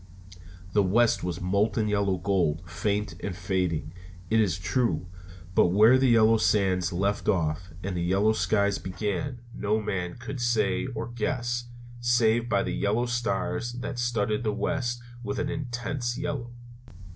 The west was molten yellow gold, faint and fading, it is true: but where the yellow sands left off and the yellow skies began no man could say or guess, save by the yellow stars that studded the west with an intense yellow.